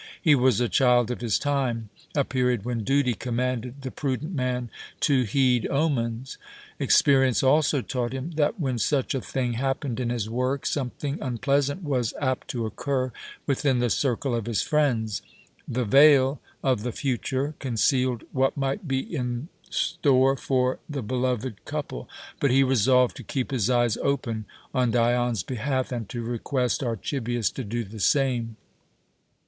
He was a child of his time, a period when duty commanded the prudent man to heed omens. Experience also taught him that when such a thing happened in his work something unpleasant was apt to occur within the circle of his friends. The veil of the future concealed what might be in store for the beloved couple; but he resolved to keep his eyes open on Dion's behalf and to request Archibius to do the same.